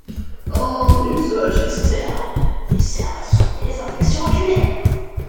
En usage externe, ils servent à soigner les infections oculaires.